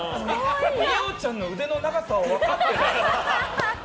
二葉ちゃんの腕の長さを分かってない。